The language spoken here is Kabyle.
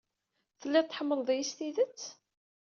Telliḍ tḥemmleḍ-iyi s tidet?